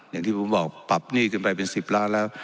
อย่างที่ผมบอกปรับหนี้ขึ้นไปเป็น๑๐ล้านแล้ว